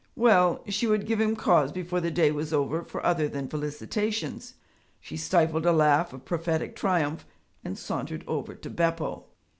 Well! she would give him cause before the day was over for other than felicitations. She stifled a laugh of prophetic triumph and sauntered over to Beppo.